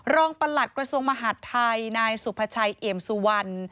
ประหลัดกระทรวงมหาดไทยนายสุภาชัยเอี่ยมสุวรรณ